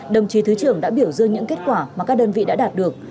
đồng chí thứ trưởng đã biểu dương những kết quả mà các đơn vị đã đạt được